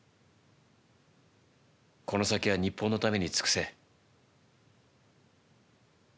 この先は日本のために尽くせ。